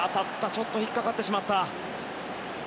ちょっと引っかかってしまった。